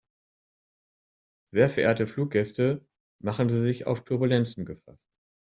Sehr verehrte Fluggäste, machen Sie sich auf Turbulenzen gefasst.